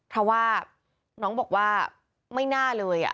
เพราะว่าน้องบอกว่าไม่น่าเลย